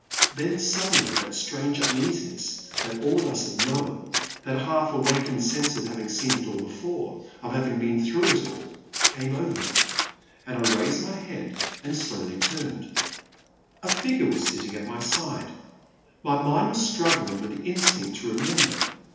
Then suddenly that strange uneasiness that all have known — that half awakened sense of having seen it all before, of having been through it all, came over me, and I raised my head and slowly turned. A figure was seated at my side. My mind was struggling with the instinct to remember.